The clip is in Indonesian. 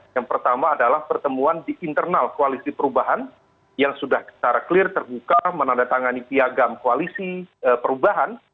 yang pertama adalah pertemuan di internal koalisi perubahan yang sudah secara clear terbuka menandatangani piagam koalisi perubahan